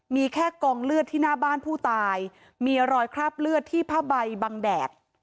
มีแค่กองเลือดที่หน้าบ้านผู้ตายมีรอยคราบเลือดที่ผ้าใบบังแดด